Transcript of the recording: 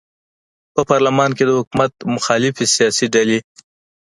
په پارلمان کې د حکومت مخالفې سیاسي ډلې